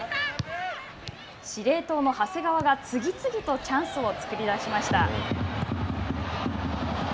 司令塔の長谷川が次々とチャンスを作り出しました。